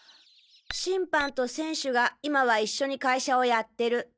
審判と選手が今は一緒に会社をやってる。